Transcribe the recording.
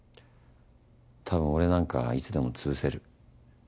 多分俺なんかいつでも潰せる。